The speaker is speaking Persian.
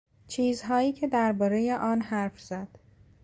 چیزهایی که دربارهی آن حرف زد.